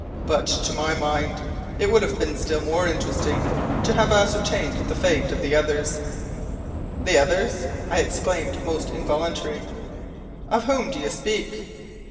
But, to my mind, it would have been still more interesting to have ascertained the fate of the others." "The others?" I exclaimed almost involuntarily. "Of whom do you speak?"